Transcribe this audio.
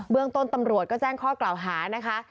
เมืองต้นตำรวจก็แจ้งข้อกล่าวหานะคะ